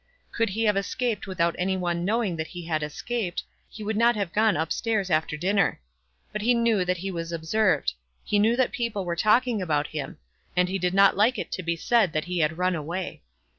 Could he have escaped without any one knowing that he had escaped, he would not have gone up stairs after dinner; but he knew that he was observed; he knew that people were talking about him; and he did not like it to be said that he had run away.